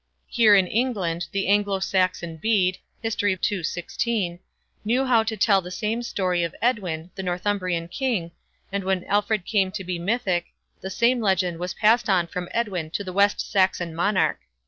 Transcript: Here, in England, the Anglo Saxon Bede knew how to tell the same story of Edwin, the Northumbrian King, and when Alfred came to be mythic, the same legend was passed on from Edwin to the West Saxon monarch.